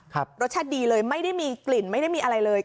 รสชาติดีเลยไม่ได้มีกลิ่นไม่ได้มีอะไรเลย